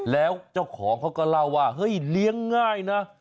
แล้วเจ้าของเขาก็เล่าว่าเฮ้ยเลี้ยงง่ายนะ